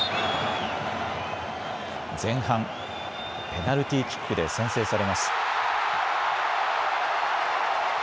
前半、ペナルティーキックで先制されます。